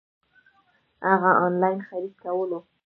هغه انلاين خريد کولو